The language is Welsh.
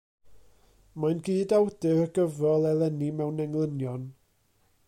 Mae'n gydawdur y gyfrol Eleni Mewn Englynion.